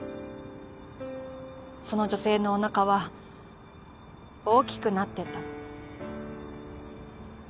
その女性のおなかは大きくなってた。